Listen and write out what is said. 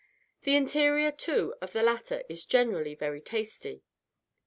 The interior, too, of the latter is generally very tasty.